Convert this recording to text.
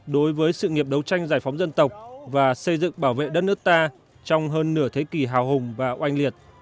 đối với sự nghiệp đấu tranh giải phóng dân tộc và xây dựng bảo vệ đất nước ta trong hơn nửa thế kỷ hào hùng và oanh liệt